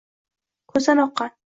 Ko’zdan oqqan